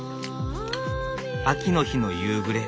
秋の日の夕暮れ。